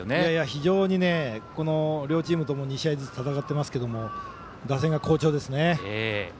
非常に両チームとも２試合ずつ戦っていますが打線が好調ですね。